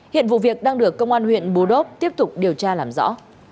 hiện vụ việc đang được công an huyện bù đốp tiếp tục điều tra làm rõ